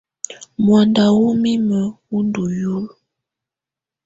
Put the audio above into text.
Muanda wɔ́ mimǝ́ wú ndɔ́ lulǝ́.